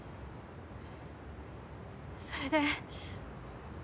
それで。